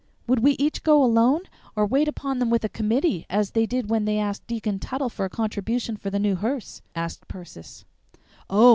"Would we each go alone or wait upon them with a committee, as they did when they asked Deacon Tuttle for a contribution for the new hearse?" asked Persis. "Oh!